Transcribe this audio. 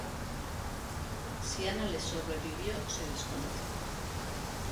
Si Ana le sobrevivió se desconoce.